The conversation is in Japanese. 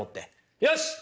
よし。